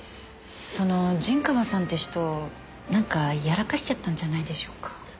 その陣川さんって人なんかやらかしちゃったんじゃないでしょうか？